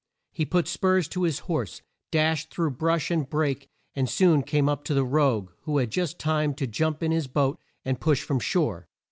He put spurs to his horse, dashed through bush and brake, and soon came up to the rogue who had just time to jump in his boat and push from shore.